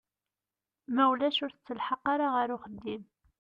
Ma ulac ur tettelḥaq ara ɣer uxeddim.